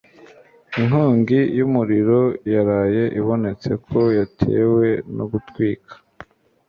Inkongi y'umuriro yaraye ibonetse ko yatewe no gutwika.